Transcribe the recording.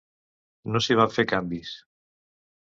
No s'hi van fer canvis.